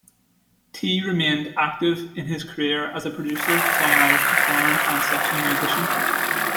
Tee remained active in his career as a producer, songwriter, performer and session musician.